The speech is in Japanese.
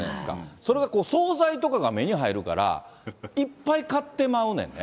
それがこう、総菜とかが目に入るから、いっぱい買ってまうねんね。